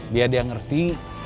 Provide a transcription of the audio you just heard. biar dia ngerti